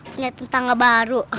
punya tangga baru